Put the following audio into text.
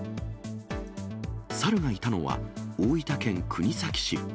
猿がいたのは、大分県国東市。